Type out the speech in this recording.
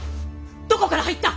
どこから入った！